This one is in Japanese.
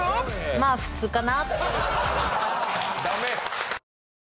まあ普通かな？